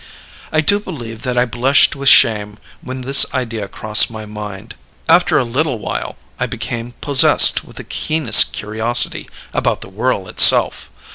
"I do believe that I blushed with shame when this idea crossed my mind. After a little while I became possessed with the keenest curiosity about the whirl itself.